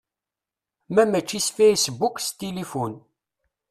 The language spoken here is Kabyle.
Ma mačči s fasebbuk s tilifun.